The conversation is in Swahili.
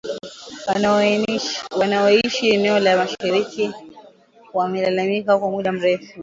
Wanaoishi eneo la mashariki wamelalamika kwa muda mrefu